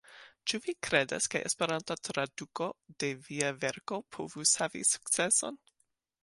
Ĉu vi kredas ke Esperanta traduko de via verko povus havi sukceson?